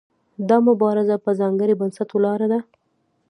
دا مبارزه په ځانګړي بنسټ ولاړه ده.